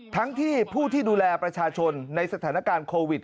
ทั้งที่ผู้ที่ดูแลประชาชนในสถานการณ์โควิด